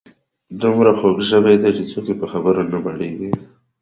دومره خوږ ژبي دي چې څوک یې په خبرو نه مړیږي.